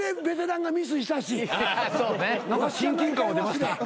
何か親近感出ました。